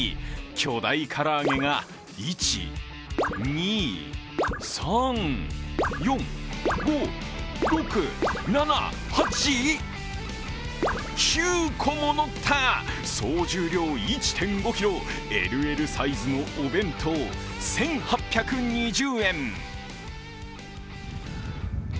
巨大唐揚げが１、２、３、４、５、６、７、８、９個ものった総重量１．５ｋｇ、ＬＬサイズのお弁当１８２０円。